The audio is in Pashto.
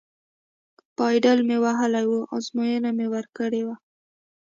پایډل مې وهلی و، ازموینه مې ورکړې وه.